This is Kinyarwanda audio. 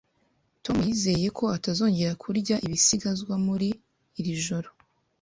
Tom yizeye ko atazongera kurya ibisigazwa muri iri joro